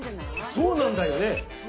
そうなんだよね？